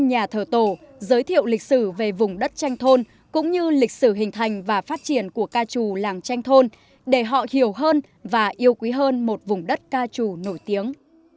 nhà thờ tổ giới thiệu lịch sử về vùng đất tranh thôn cũng như lịch sử hình thành và phát triển của ca trù làng tranh thôn để họ hiểu hơn và yêu quý hơn một vùng đất ca trù nổi tiếng